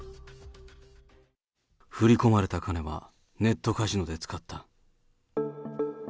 振り込まれた金はネットカジノで使った。